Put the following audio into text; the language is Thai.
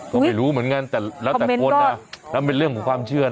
ก็ไม่รู้เหมือนกันแต่แล้วแต่คนแล้วเป็นเรื่องของความเชื่อนะ